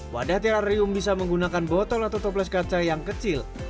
wadah terarium bisa menggunakan botol atau toples kaca yang kecil